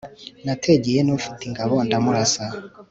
nategeye nufite ingabo ndamurasa